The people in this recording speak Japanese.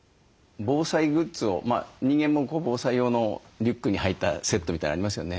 防災グッズを人間も防災用のリュックに入ったセットみたいなのありますよね。